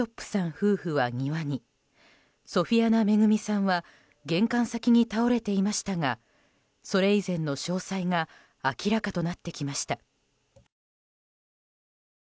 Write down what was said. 夫婦は庭にソフィアナ恵さんは玄関先に倒れていましたがそれ以前の詳細が明らかとなってきました。